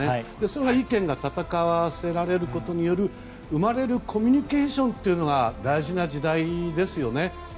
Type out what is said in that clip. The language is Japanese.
意見を戦わせることによる生まれるコミュニケーションが大事な時代ですよね。